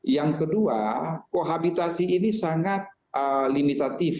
yang kedua kohabitasi ini sangat limitatif